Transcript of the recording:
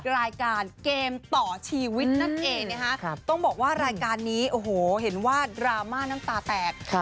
รายการเกมต่อชีวิตนั่นเองนะคะต้องบอกว่ารายการนี้โอ้โหเห็นว่าดราม่าน้ำตาแตก